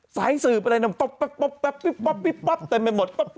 สายสื่อไปเลยพีป๊อปไปหมด